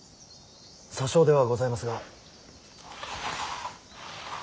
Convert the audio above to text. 些少ではございますが。